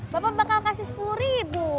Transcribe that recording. bapak bakal kasi sepuluh